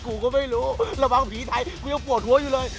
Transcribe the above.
กูก็ไม่รู้ระวังผีไทยกูยังปวดหัวอยู่เลย